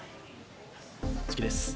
次です。